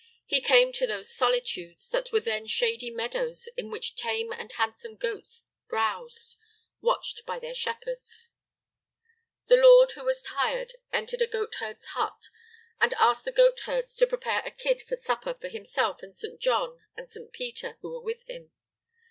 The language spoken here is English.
He came to those solitudes, that were then shady meadows in which tame and handsome goats browsed, watched by their shepherds. The Lord, who was tired, entered a goat herd's hut, and asked the goat herds to prepare a kid for supper for Himself and St. John and St. Peter, who were with Him.